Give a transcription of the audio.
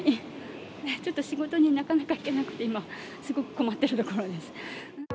ちょっと仕事になかなか行けなくて、今、すごく困ってるところです。